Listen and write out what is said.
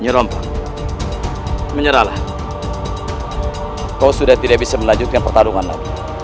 nyerempak menyerahlah kau sudah tidak bisa melanjutkan pertarungan lagi